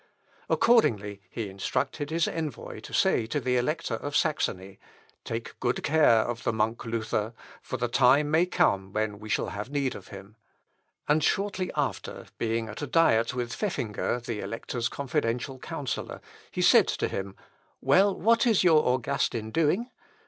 Accordingly, he instructed his envoy to say to the Elector of Saxony, "Take good care of the monk Luther, for the time may come when we shall have need of him;" and shortly after, being at a diet with Pfeffinger, the Elector's confidential councillor, he said to him, "Well what is your Augustin doing?